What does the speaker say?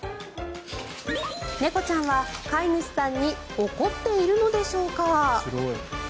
猫ちゃんは飼い主さんに怒っているのでしょうか？